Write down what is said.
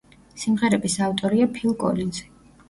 სიმღერების ავტორია ფილ კოლინზი.